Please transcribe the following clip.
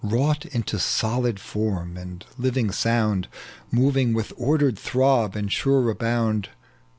Wrought into solid form and living sound, ■Moving with ordered throb and sure rebound